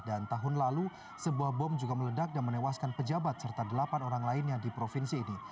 dan tahun lalu sebuah bom juga meledak dan menewaskan pejabat serta delapan orang lainnya di provinsi ini